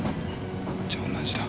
じゃ同じだ。